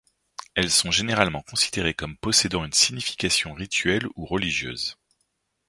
Elles sont généralement considérés comme possédant une signification rituelle ou religieuse.